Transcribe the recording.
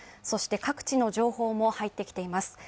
そして各地の情報も入ってきています